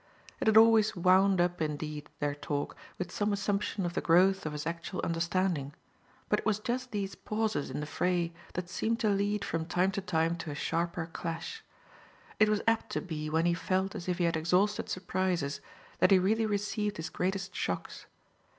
It had always wound up indeed, their talk, with some assumption of the growth of his actual understanding; but it was just these pauses in the fray that seemed to lead from time to time to a sharper clash. It was apt to be when he felt as if he had exhausted surprises that he really received his greatest shocks.